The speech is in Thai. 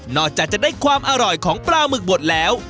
จากจะได้ความอร่อยของปลาหมึกบดแล้ว